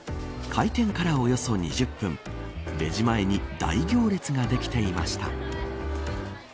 開店からおよそ２０分レジ前に大行列ができていました。